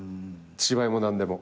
芝居も何でも。